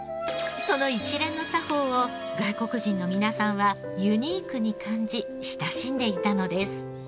その一連の作法を外国人の皆さんはユニークに感じ親しんでいたのです。